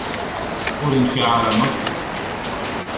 Ur yenfiε ara maḍi.